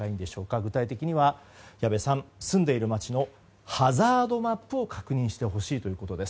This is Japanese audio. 具体的には矢部さん住んでいる街のハザードマップを確認してほしいということです。